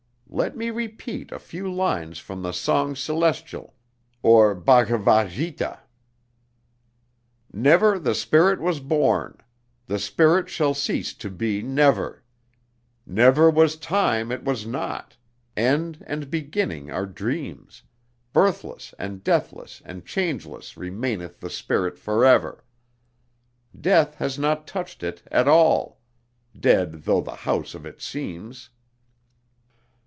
Let me repeat a few lines from the Song Celestial, or Bhagavad Gita. "Never the spirit was born; the spirit shall cease to be never; Never was time it was not; end and beginning are dreams, Birthless and deathless and changeless remaineth the spirit forever; Death has not touched it at all, dead though the house of it seems.